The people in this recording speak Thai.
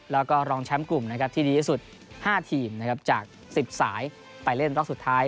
แล้วก็รองแชมป์กลุ่มที่ดีที่สุด๕ทีมจาก๑๐สายไปเล่นรอบสุดท้าย